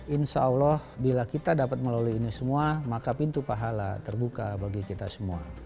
insya allah bila kita dapat melalui ini semua maka pintu pahala terbuka bagi kita semua